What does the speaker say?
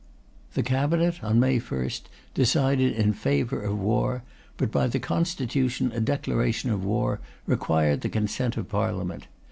The Cabinet, on May 1st, decided in favour of war, but by the Constitution a declaration of war required the consent of Parliament.